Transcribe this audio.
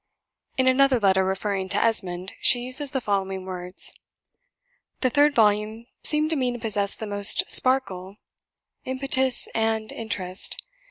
In another letter, referring to "Esmond," she uses the following words: "The third volume seemed to me to possess the most sparkle, impetus, and interest.